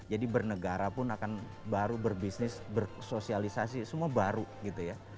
jadi bernegara pun akan baru berbisnis bersosialisasi semua baru gitu ya